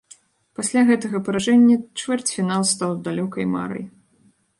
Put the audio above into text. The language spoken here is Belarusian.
Пасля гэтага паражэння чвэрцьфінал стаў далёкай марай.